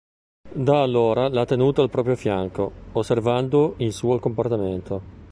Da allora l'ha tenuto al proprio fianco, osservando il suo comportamento.